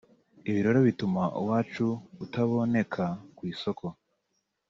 ibi rero bituma uwacu utaboneka ku isoko